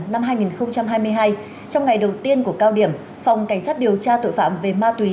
năm hai nghìn hai mươi hai trong ngày đầu tiên của cao điểm phòng cảnh sát điều tra tội phạm về ma túy